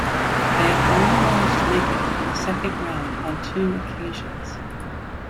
They have only managed to make it into the second round on two occasions.